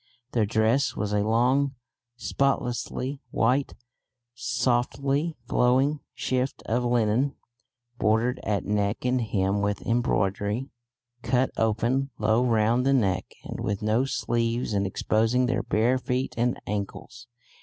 Their dress was a long spotlessly white softly flowing shift of linen, bordered at neck and hem with embroidery, cut open low round the neck, and with no sleeves and exposing their bare feet and ankles.